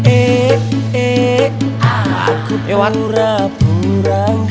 eh eh ah aku pura pura gak ada diriku